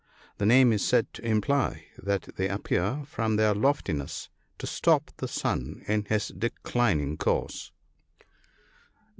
The name is said to imply that they appear, from their loftiness, to stop the sun in his declining course.